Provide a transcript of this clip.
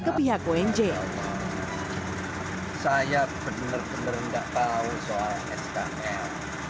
saya benar benar tidak tahu soal skl